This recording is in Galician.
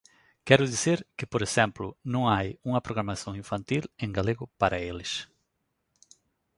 Quero dicir que, por exemplo, non hai unha programación infantil en galego para eles.